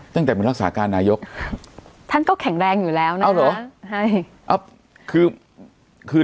ตั้งแต่เป็นรักษาการนายกท่านก็แข็งแรงอยู่แล้วนะเอาเหรอใช่คือคือ